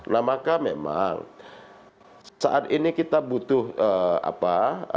nah maka memang saat ini kita butuh apa